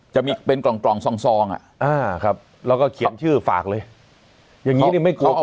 จะมีเป็นกล่องกล่องซองซองอ่ะอ่าครับแล้วก็เขียนชื่อฝากเลยอย่างนี้นี่ไม่กลัว